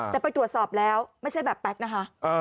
แต่ไปตรวจสอบแล้วไม่ใช่แบบแป๊กนะคะ